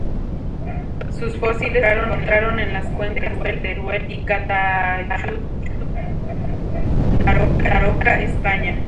Sus fósiles se encontraron en las cuencas de Teruel y Calatayud-Daroca, España.